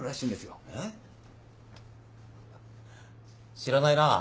知らないなあ。